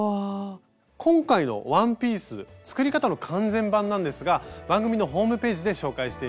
今回のワンピース作り方の完全版なんですが番組のホームページで紹介しています。